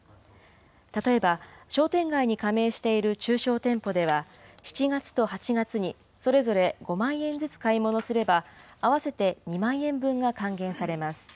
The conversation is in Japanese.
例えば商店街に加盟している中小店舗では、７月と８月にそれぞれ５万円ずつ買い物すれば、合わせて２万円分が還元されます。